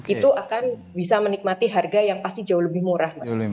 itu akan bisa menikmati harga yang pasti jauh lebih murah mas